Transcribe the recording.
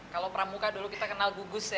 kalau pramuka dulu kita kenal gugus ya